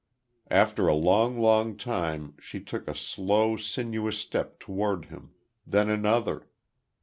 After a long, long time, she took a slow, sinuous step toward him then another....